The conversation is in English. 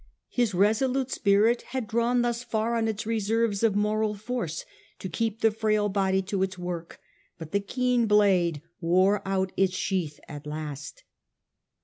His resolute spirit had drawn thus far on its reserves of moral force to keep the frail body to its work, but the keen blade wore out its sheath at last.